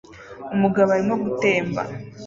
Umugabo arimo gutemba